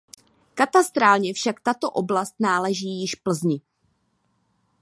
Katastrálně však tato oblast náleží již Plzni.